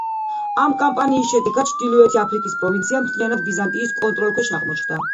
ამ კამპანიის შედეგად ჩრდილოეთი აფრიკის პროვინცია მთლიანად ბიზანტიის კონტროლქვეშ აღმოჩნდა.